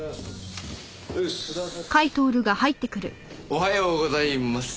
おはようございます。